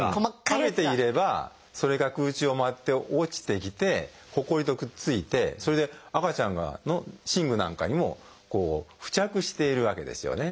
食べていればそれが空中を舞って落ちてきてほこりとくっついてそれで赤ちゃんの寝具なんかにも付着しているわけですよね。